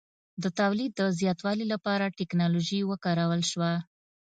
د تولید د زیاتوالي لپاره ټکنالوژي وکارول شوه.